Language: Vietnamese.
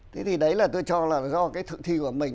thế thì đấy là tôi cho là do cái thực thi của mình